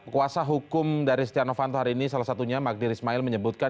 kuasa hukum dari setiano fanto hari ini salah satunya magdhir ismail menyebutkan